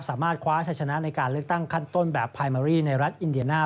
สามารถคว้าชัยชนะในการเลือกตั้งขั้นต้นแบบพายเมอรี่ในรัฐอินเดียน่า